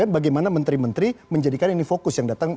bagaimana menteri menteri menjadikan ini fokus yang datang